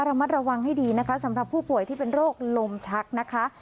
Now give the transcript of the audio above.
ระมัดระวังให้ดีนะคะสำหรับผู้ป่วยที่เป็นโรคลมชักนะคะ